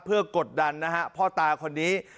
เพื่อกดดันนะฮะพ่อตาคนนี้